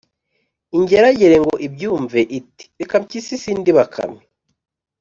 Ingeragere ngo ibyumve iti “Reka Mpyisi sindi Bakame